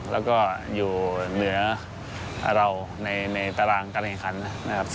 แล้วก็อยู่เหนือเราในตารางการแข่งขันนะครับ